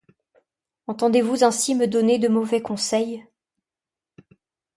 Entendez-vous ainsi me donner de mauvais conseils ?